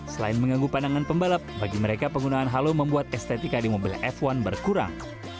selain mengganggu pandangan pembalap bagi mereka penggunaan halo membuat estetika di mobil f satu berkurang